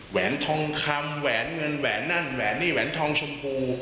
แหวนทองคำแหวนเงินแหวนนั่นแหวนนี่แหวนทองชมพู